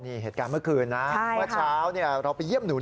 นี่เหตุการณ์เมื่อคืนนะเมื่อเช้าเราไปเยี่ยมหนู